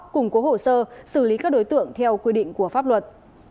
củng cố hồ sơ xử lý các đối tượng theo quy định của pháp luật